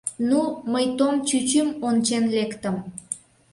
Ну, мый Том чӱчӱм ончен лектым.